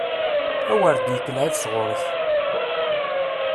A wer d-yekk lɛib sɣur-k!